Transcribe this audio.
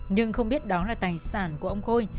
nhưng không biết đó là tài sản của ông khôi